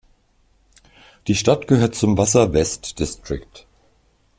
Die Stadt gehört zum Wassa West District.